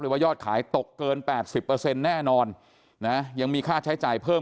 ว่ายอดขายตกเกิน๘๐แน่นอนนะยังมีค่าใช้จ่ายเพิ่ม